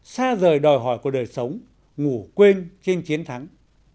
xa rời đòi hỏi của đời sống ngủ quên trên chiến thắng